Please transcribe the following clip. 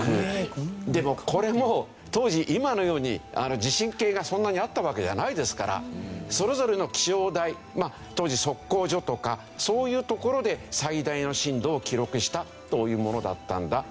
でもこれも当時今のように地震計がそんなにあったわけじゃないですからそれぞれの気象台当時測候所とかそういう所で最大の震度を記録したというものだったんだという事ですよね。